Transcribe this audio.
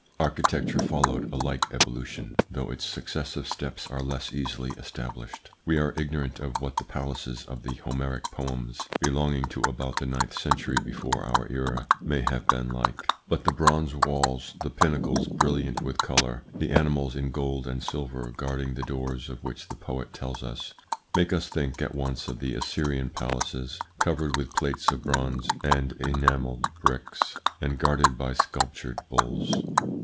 Architecture followed a like evolution, though its successive steps are less easily established. We are ignorant of what the palaces of the Homeric poems, belonging to about the ninth century before our era, may have been like ; but the bronze walls, the pinnacles brilliant with colour, the animals in gold and silver guarding the doors, of which the poet tells us, make us think at once of the Assyrian palaces covered with plates of bronze and enamelled bricks, and guarded by sculptured bulls.